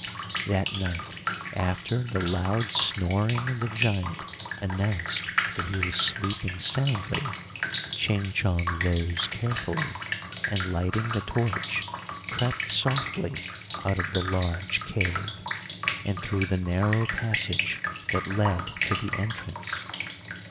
That night after the loud snoring of the giant announced that he was sleeping soundly, Ching Chong rose carefully, and lighting the torch, crept softly out of the large cave, and through the narrow passage that led to the entrance.